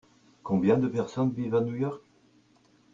Combien de personnes vivent à New York ?